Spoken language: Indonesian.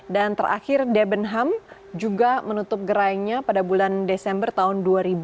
dan terakhir debenham juga menutup gerainya pada bulan desember tahun dua ribu tujuh belas